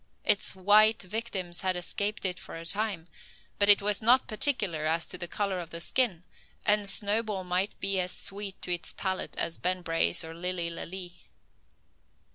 Its white victims had escaped it for the time, but it was not particular as to the colour of the skin, and Snowball might be as sweet to its palate as Ben Brace or Lilly Lalee.